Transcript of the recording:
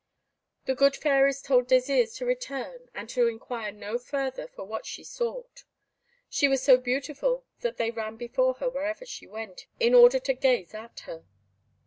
The good fairies told Désirs to return, and to inquire no further for what she sought. She was so beautiful that they ran before her wherever she went, in order to gaze at her.